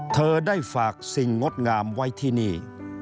เธอได้ฝากสิ่งงดงามไว้ที่นี่